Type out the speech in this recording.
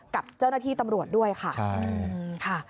กับเจ้าหน้าที่ตำรวจด้วยค่ะ